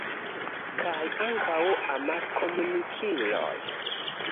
Kaj ankaŭ amaskomunikiloj.